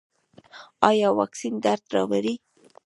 ایا واکسین درد راوړي؟